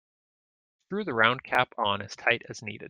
Screw the round cap on as tight as needed.